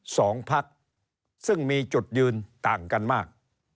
สองพักซึ่งมีจุดยืนต่างกันมาก